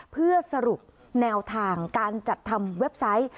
เพื่อสรุปแนวทางการจัดทำเว็บไซต์